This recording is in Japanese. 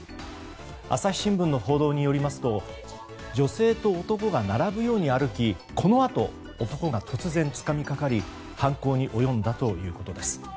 朝日新聞の報道によりますと女性と男が並ぶように歩きこのあと男が突然つかみかかり犯行に及んだということです。